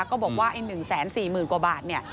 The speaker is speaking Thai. ก็บอกว่าไอ้๑๔๐๐๐กว่าบาทเนี่ย